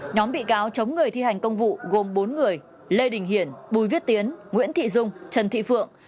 nhóm bị cáo chống người thi hành công vụ gồm bốn người lê đình hiển bùi viết tiến nguyễn thị dung trần thị phượng